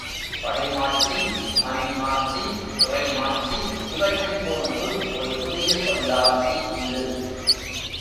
படைமாட்சி மனைமாட்சி, இறைமாட்சி இவற்றைப்போன்று ஒரு புதிய சொல்லாட்சி இது.